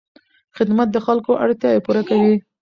خدمت د خلکو اړتیاوې پوره کوي.